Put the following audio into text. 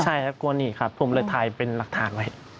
ใช่ครับกลัวหนีครับผมเลยถ่ายเป็นหลักฐานไว้